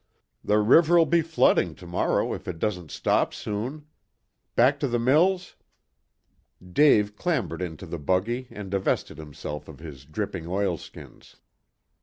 The river'll be flooding to morrow if it doesn't stop soon. Back to the mills?" Dave clambered into the buggy and divested himself of his dripping oilskins.